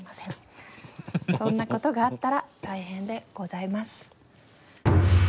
そんなことがあったら大変でございます」。